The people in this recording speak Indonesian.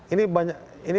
ini banyak ini